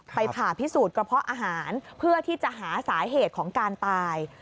ผ่าพิสูจน์กระเพาะอาหารเพื่อที่จะหาสาเหตุของการตาย